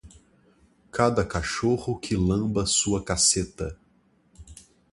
Cada cachorro que lamba sua caceta